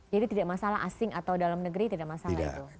jadi tidak masalah asing atau dalam negeri tidak masalah itu